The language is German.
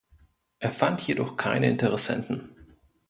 Er fand jedoch keine Interessenten.